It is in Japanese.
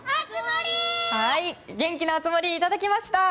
元気な熱盛いただきました。